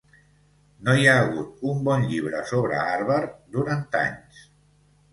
No hi ha hagut un bon llibre sobre Harvard durant anys.